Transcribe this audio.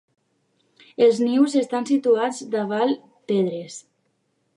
Els nius estan situats davall pedres.